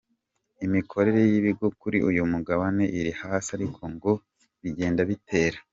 Imikorere y’ibigo kuri uyu mugabane iri hasi ariko ko ngo bigenda bitera .